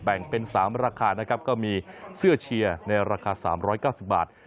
เป็น๓ราคานะครับก็มีเสื้อเชียร์ในราคา๓๙๐บาท